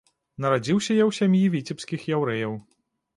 Нарадзіўся ў сям'і віцебскіх яўрэяў.